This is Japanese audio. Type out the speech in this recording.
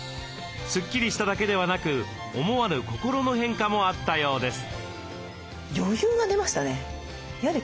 スッキリしただけではなく思わぬ心の変化もあったようです。